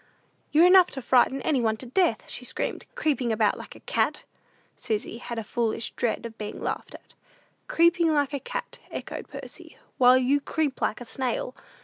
"You're enough to frighten any one to death," she screamed, "creeping about like a cat." Susy had a foolish dread of being laughed at. "Creeping like a cat," echoed Percy, "while you creep like a snail!